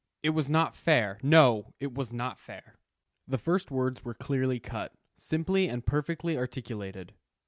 It was not fair; no, it was not fair. The first words were clearly cut, simply and perfectly articulated.